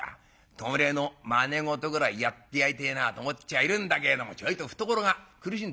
弔いのまね事ぐらいやってやりてえなと思っちゃいるんだけれどもちょいと懐が苦しいんでい。